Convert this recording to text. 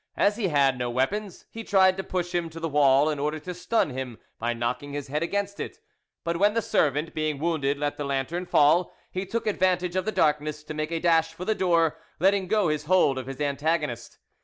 As he had no weapons, he tried to push him to the wall, in order to stun him by knocking his head against it; but when the servant, being wounded, let the lantern fall, he took advantage of the darkness to make a dash for the door, letting go his hold of his antagonist.